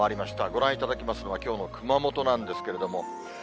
ご覧いただきますのは、きょうの熊本なんですけれども。